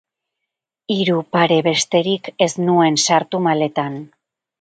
Hiru pare besterik ez nuen sartu maletan.